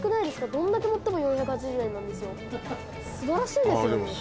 どんだけ盛っても４８０円なんですよ素晴らしいですよ